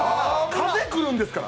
風来るんですから。